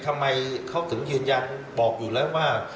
ทำไมเขาถึงยืนยันบอกอยู่แล้วว่า